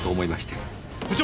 部長！